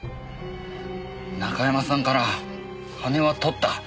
中山さんから金は盗った。